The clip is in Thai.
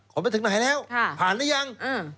ขอไปถึงไหนแล้วผ่านแล้วยัง